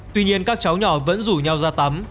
tuy nhiên các cháu nhỏ vẫn rủ nhau ra tắm